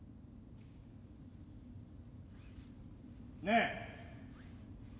ねえ。